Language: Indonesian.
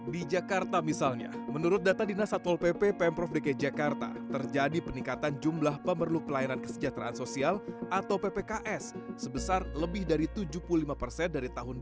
di jakarta misalnya menurut data dinas satpol pp pemprov dki jakarta terjadi peningkatan jumlah pemerlu pelayanan kesejahteraan sosial atau ppks sebesar lebih dari tujuh puluh lima persen dari tahun dua ribu dua puluh